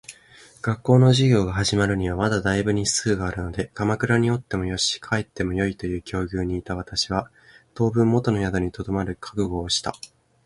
学校の授業が始まるにはまだ大分日数があるので鎌倉におってもよし、帰ってもよいという境遇にいた私は、当分元の宿に留まる覚悟をした。